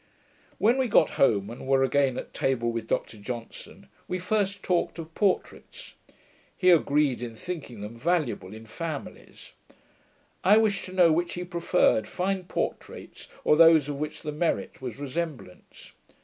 When we got home, and were again at table with Dr Johnson, we first talked of portraits. He agreed in thinking them valuable in families. I wished to know which he preferred, fine portraits, or those of which the merit was resemblance.